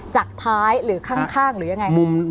จากท้ายหรือข้างหรือยังไง